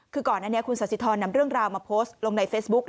คือก่อนอันนี้คุณสาธิธรนำเรื่องราวมาโพสต์ลงในเฟซบุ๊ค